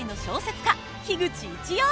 家口一葉。